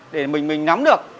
để mình nắm được